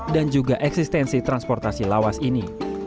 dan juga eksistensi transportasi lawas ini